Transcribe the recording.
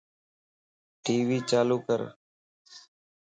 ٽي وي چالو ڪر